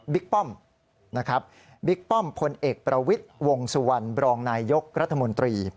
บิ๊กป้อมบิ๊กป้อมผลเอกประวิทย์วงสุวรรณบรองนายยกรัฐมนตรี